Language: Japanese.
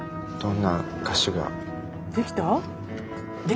できた？